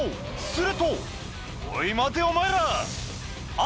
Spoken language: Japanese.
するとおい待てお前ら！